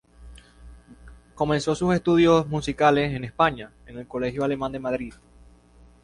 Comenzó sus estudios musicales en España en el Colegio Alemán de Madrid.